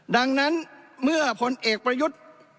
ดังนั้นเมื่อผลเอกประยุทธ์